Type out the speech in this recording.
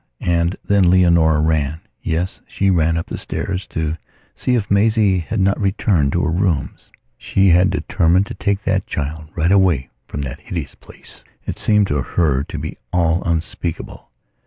And then Leonora ranyes, she ran up the stairsto see if Maisie had not returned to her rooms. She had determined to take that child right away from that hideous place. It seemed to her to be all unspeakable.